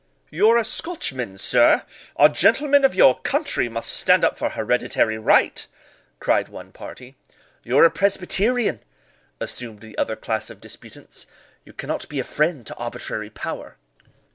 "You are a Scotchman, sir; a gentleman of your country must stand up for hereditary right," cried one party. "You are a Presbyterian," assumed the other class of disputants; "you cannot be a friend to arbitrary power."